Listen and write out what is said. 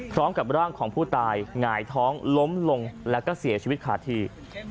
พร้อมกับร่างของผู้ตายหงายท้องล้มลงแล้วก็เสียชีวิตขาดที่